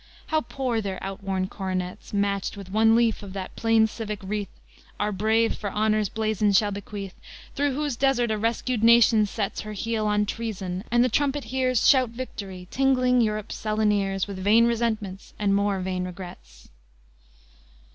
How poor their outworn coronets, Matched with one leaf of that plain civic wreath Our brave for honor's blazon shall bequeath, Through whose desert a rescued Nation sets Her heel on treason, and the trumpet hears Shout victory, tingling Europe's sullen ears With vain resentments and more vain regrets!